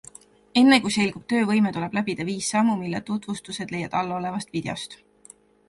Enne, kui selgub töövõime, tuleb läbida viis sammu, mille tutvustused leiad allolevast videost.